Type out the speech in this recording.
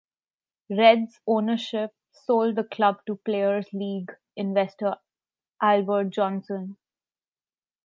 Reds' ownership sold the club to Players' League investor Albert Johnson.